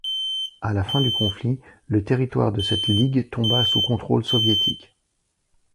Après la fin du conflit, le territoire de cette ligue tomba sous contrôle soviétique.